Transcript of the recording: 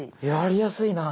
やりやすい。